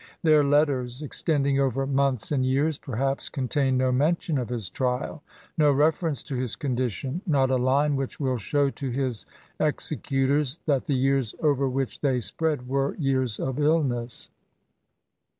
Their letters, extending over months SYMPATHY rO THE INTAUD. 15 and jears^ perhaps contain no mention of liis trial, no reference to his conditioil, not a line wUdi will show to his eitecutord that the years oyer wliieh thej spread were yean of illness.